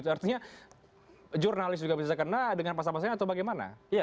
artinya jurnalis juga bisa kena dengan pasal pasalnya atau bagaimana